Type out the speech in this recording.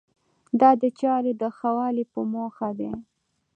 دا د چارو د ښه والي په موخه دی.